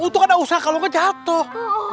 untuk ada usaha kalau nggak jatuh